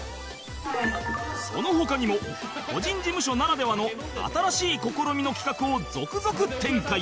その他にも個人事務所ならではの新しい試みの企画を続々展開